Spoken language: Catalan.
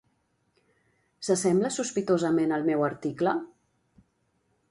> s'assembla sospitosament al meu article?